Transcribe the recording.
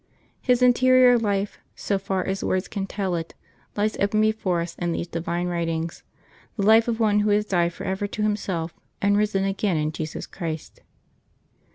His in terior life, so far as words can tell it, lies open before us in these divine writings, the life of one who has died forever to himself and risen again in Jesus Christ.